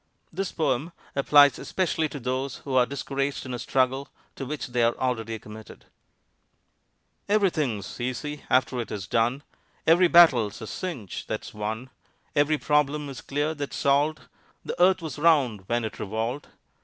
This poem applies especially to those who are discouraged in a struggle to which they are already committed. Everything's easy after it's done; Every battle's a "cinch" that's won; Every problem is clear that's solved The earth was round when it _revolved!